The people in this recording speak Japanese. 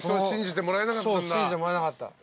信じてもらえなかった。